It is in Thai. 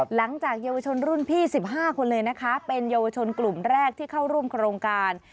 หลังจากเยาวชนรุ่นพี่๑๕คนเลยนะคะเป็นเยาวชนกลุ่มแรกที่เข้าร่วมโครงการ